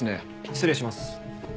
失礼します。